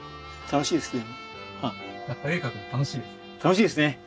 楽しいですね。